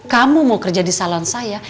kamu mau kerja di salon saya